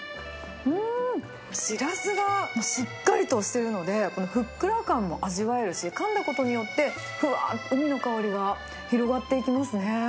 うーん、シラスがしっかりとしてるので、ふっくら感も味わえるし、かんだことによって、ふわーっと海の香りが広がっていきますね。